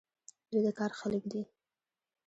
دوی د کار خلک دي.